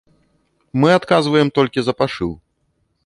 Мы адказваем толькі за пашыў.